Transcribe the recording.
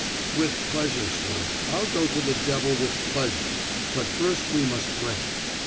"With pleasure, sir. I'll go to the devil with pleasure; but first we must drink.